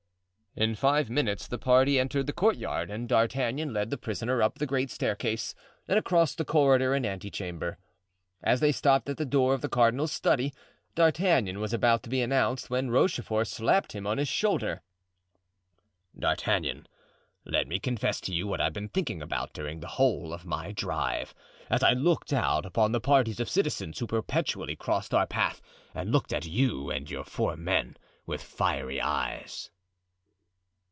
In five minutes the party entered the courtyard and D'Artagnan led the prisoner up the great staircase and across the corridor and ante chamber. As they stopped at the door of the cardinal's study, D'Artagnan was about to be announced when Rochefort slapped him on his shoulder. "D'Artagnan, let me confess to you what I've been thinking about during the whole of my drive, as I looked out upon the parties of citizens who perpetually crossed our path and looked at you and your four men with fiery eyes."